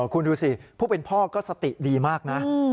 คุณดูสิผู้เป็นพ่อก็สติดีมากนะ